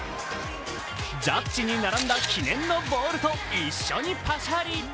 ジャッジに並んだ記念のボールと一緒にパチリ！